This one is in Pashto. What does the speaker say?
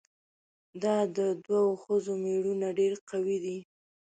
دا د دوو ښځو ميړونه ډېر قوي دي؟